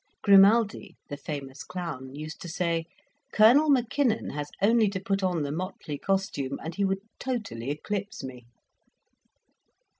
Grimaldi, the famous clown, used to say, "Colonel Mackinnon has only to put on the motley costume, and he would totally eclipse me."